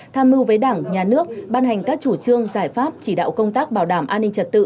tham mưu với đảng nhà nước ban hành các chủ trương giải pháp chỉ đạo công tác bảo đảm an ninh trật tự